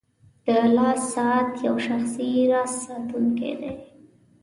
• د لاس ساعت یو شخصي راز ساتونکی دی.